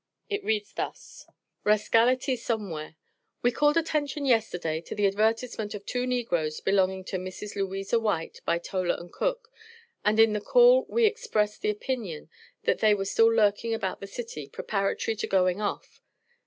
It reads thus "RASCALITY SOMEWHERE. We called attention yesterday to the advertisement of two negroes belonging to Mrs. Louisa White, by Toler & Cook, and in the call we expressed the opinion that they were still lurking about the city, preparatory to going off.